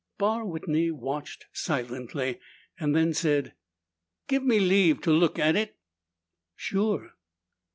Barr Whitney watched silently, then said, "Give me leave to look at it." "Sure."